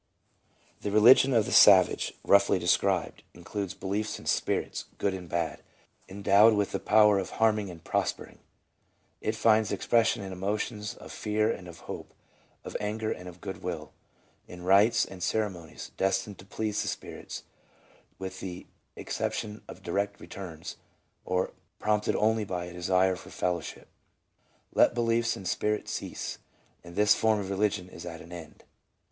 The religion of the savage, roughly described, includes 314 LETJBA : beliefs in spirits, good and bad, endowed with the power of harming and prospering. It finds expression in emotions of fear and of hope, of anger and of good will ; in rites and ceremonies destined to please the spirits, with the expecta tion of direct returns, or prompted only by a desire for fel lowship. Let beliefs in spirits cease, and this form of re ligion is at an end.